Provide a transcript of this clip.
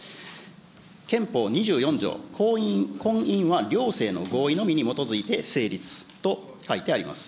憲法２４条、婚姻は、両性の合意のみに基づいて成立と書いてあります。